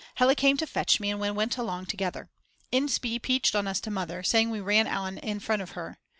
Hella came to fetch me and we went along together. Inspee peached on us to Mother, saying we ran on in front of her.